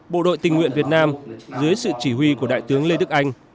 bộ đội tình nguyện việt nam dưới sự chỉ huy của đại tướng lê đức anh